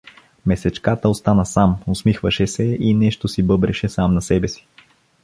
Месечката остана сам, усмихваше се и нещо си бъбреше сам на себе си.